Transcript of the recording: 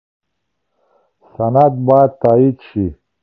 سند باید تایید شي.